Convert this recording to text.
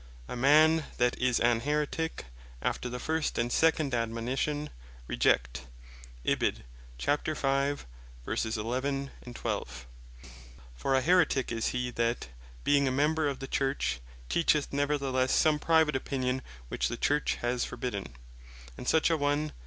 "A man that is an Haeretique, after the first and second admonition, reject." For an Haeretique, is he, that being a member of the Church, teacheth neverthelesse some private opinion, which the Church has forbidden: and such a one, S.